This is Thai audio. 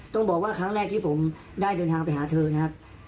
ต้องบอกว่าครั้งแรกที่ผมได้เดินทางไปหาเธอนะครับ